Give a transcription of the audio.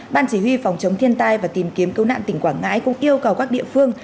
ban chỉ huy phòng chống thiên tai và tìm kiếm cứu nạn tỉnh quảng ngãi cũng yêu cầu các địa phương